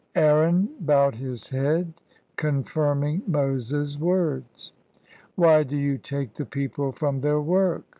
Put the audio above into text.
Aaron bowed his head, confirming Moses' words, "Why do you take the people from their work?"